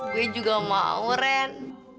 gue juga mau ren